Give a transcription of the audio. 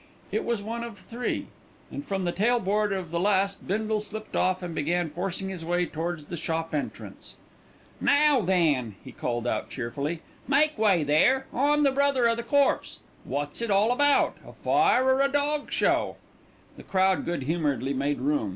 It was one of three, and from the tail board of the last Bindle slipped off and began forcing his way towards the shop entrance. "Now then," he called out cheerfully, "make way there. I'm the brother o' the corpse. Wot's it all about a fire or a dog show?" The crowd good humouredly made room.